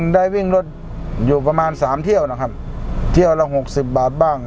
ได้วิ่งรถอยู่ประมาณสามเที่ยวนะครับเที่ยวละหกสิบบาทบ้าง